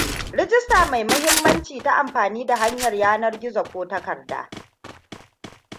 rajista mai mahimmanci ta amfani da hanyar yanar gizo ko takarda